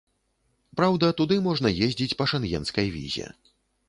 Праўда, туды можна ездзіць па шэнгенскай візе.